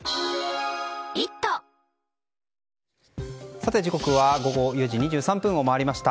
さて、時刻は午後４時２３分を回りました。